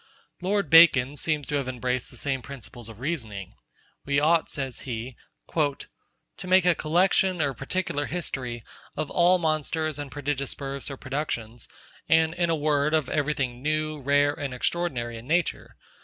Lord Bacon seems to have embraced the same principles of reasoning. 'We ought,' says he, 'to make a collection or particular history of all monsters and prodigious births or productions, and in a word of every thing new, rare, and extraordinary in nature.